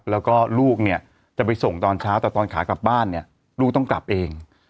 แล้วก็ลูกเนี่ยจะไปส่งตอนเช้าแต่ตอนขากลับบ้านเนี่ยลูกต้องกลับเอง